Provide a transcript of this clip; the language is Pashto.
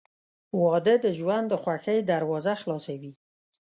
• واده د ژوند د خوښۍ دروازه خلاصوي.